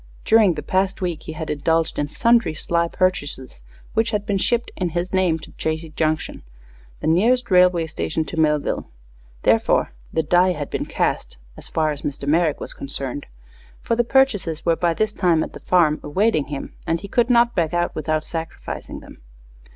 During the past week he had indulged in sundry sly purchases, which had been shipped, in his name to Chazy Junction, the nearest railway station to Millville. Therefore, the "die had been cast," as far as Mr. Merrick was concerned, for the purchases were by this time at the farm, awaiting him, and he could not back out without sacrificing them.